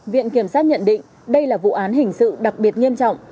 viện kiểm sát nhận định đây là vụ án hình sự đặc biệt nghiêm trọng